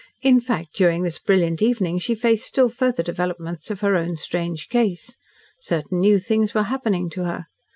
In fact, during this brilliant evening she faced still further developments of her own strange case. Certain new things were happening to her.